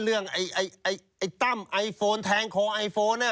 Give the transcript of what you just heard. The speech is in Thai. เรื่องไอ้ตั้มไอโฟนแทงคอไอโฟน